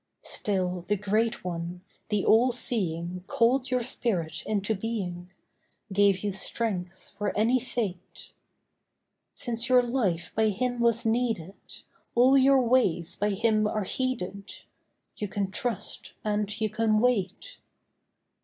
Still the Great One, the All Seeing Called your spirit into being— Gave you strength for any fate. Since your life by Him was needed, All your ways by Him are heeded— You can trust and you can wait.